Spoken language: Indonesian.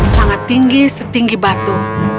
sangat tinggi setinggi batu